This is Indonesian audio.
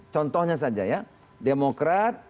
contohnya saja ya demokrat